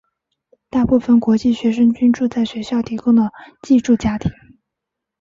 大部分国际学生均住在学校提供的寄住家庭。